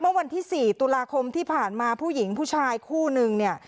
วันที่๔ตุลาคมที่ผ่านมาผู้หญิงผู้ชายคู่นึงเนี่ย